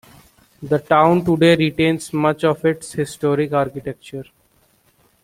The town today retains much of its historic architecture.